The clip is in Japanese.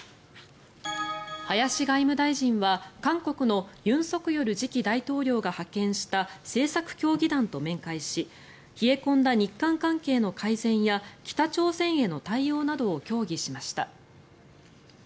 林外務大臣は韓国の尹錫悦次期大統領が派遣した政策協議団と面会し冷え込んだ日韓関係の改善や北朝鮮への対応などを協議しました。